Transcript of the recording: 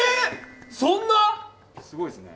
そんなすごいですね